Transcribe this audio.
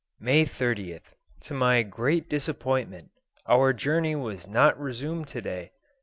May 30th. To my great disappointment, our journey was not resumed to day.